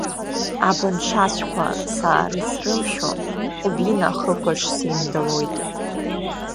Абынҽацәқәа саарыцрымшәо, Ҟәбина ахықәаҿ сеимдалоит…